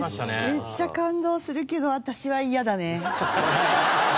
めっちゃ感動するけど私は嫌だね。